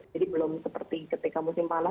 jadi belum seperti ketika musim panas